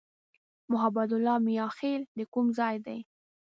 محبت الله "میاخېل" د کوم ځای دی؟